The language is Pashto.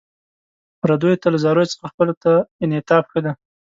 پردیو ته له زاریو څخه خپلو ته انعطاف ښه دی.